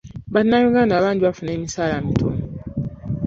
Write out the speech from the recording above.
Bannayuganda bangi bafuna emisaala mitono.